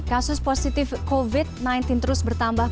kasus positif covid sembilan belas terus bertambah